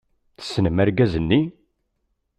Tessnem argaz-nni?